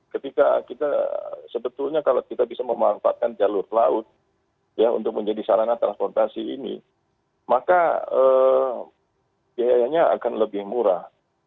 ketika kita sebetulnya kalau kita bisa memanfaatkan jalur laut untuk menjadi sarana transportasi ini maka biayanya akan lebih murah